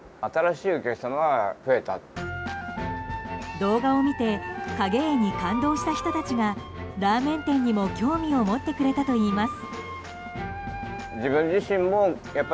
動画を見て影絵に感動した人たちがラーメン店にも興味を持ってくれたといいます。